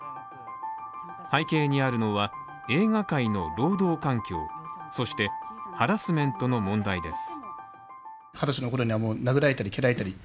背景にあるのは、映画界の労働環境、そしてハラスメントの問題です。